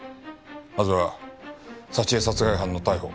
まずは沙知絵殺害犯の逮捕。